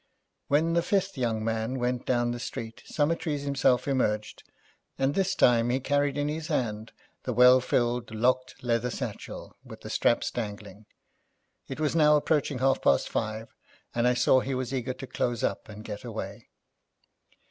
When the fifth young man went down the street Summertrees himself emerged, and this time he carried in his hand the well filled locked leather satchel, with the straps dangling. It was now approaching half past five, and I saw he was eager to close up and get away.